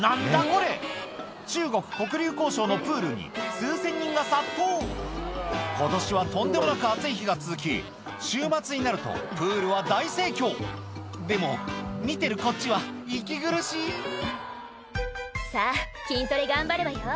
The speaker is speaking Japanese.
これ中国黒竜江省のプールに数千人が殺到今年はとんでもなく暑い日が続き週末になるとプールは大盛況でも見てるこっちは息苦しい「さぁ筋トレ頑張るわよ」